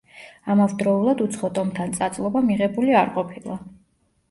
ამავდროულად უცხო ტომთან წაწლობა მიღებული არ ყოფილა.